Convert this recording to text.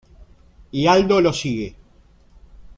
Y Aldo lo sigue.